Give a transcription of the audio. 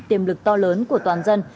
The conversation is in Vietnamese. tiềm lực to lớn của toàn dân